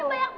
oh ya dong